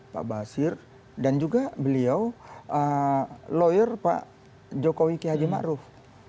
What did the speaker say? pak ba'asir dan juga beliau lawyer pak jokowi kihaji ma'ruf